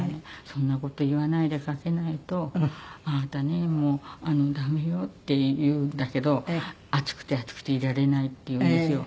「そんな事言わないでかけないとあなたねもう駄目よ」って言うんだけど「暑くて暑くていられない」って言うんですよ。